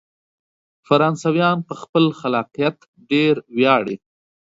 فرانسویان په خپل خلاقیت ډیر ویاړي.